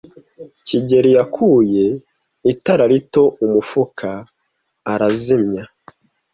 kigeli yakuye itara rito mu mufuka arazimya.